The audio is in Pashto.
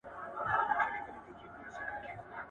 مجبوره ته مه وايه چي غښتلې.